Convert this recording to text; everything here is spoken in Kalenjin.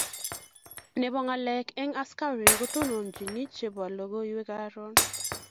ne bo ngalek eng askariik kotonontochine che bo logoiwek karon.